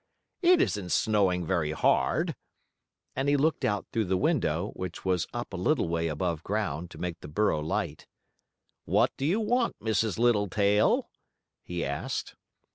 "It isn't snowing very hard," and he looked out through the window, which was up a little way above ground to make the burrow light. "What do you want, Mrs. Littletail?" he asked.